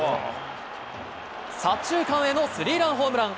左中間へのスリーランホームラン。